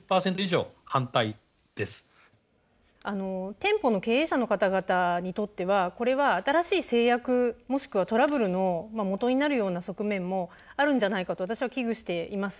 店舗の経営者の方々にとってはこれは新しい制約、もしくはトラブルのもとになるような側面もあるんじゃないかと私は危惧しています。